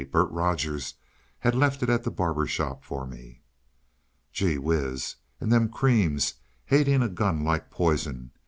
Bert Rogers had left it at the barber shop for me." "Gee whiz! And them creams hating a gun like poison!